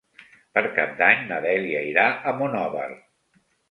Per Cap d'Any na Dèlia irà a Monòver.